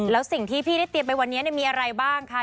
แล้วสิ่งที่พี่ได้เตรียมไปวันนี้มีอะไรบ้างคะ